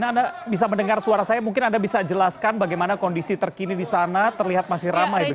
anda bisa mendengar suara saya mungkin anda bisa jelaskan bagaimana kondisi terkini di sana terlihat masih ramai di sana